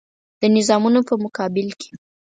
د نظامونو په مقابل کې.